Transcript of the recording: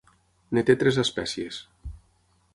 En té tres espècies.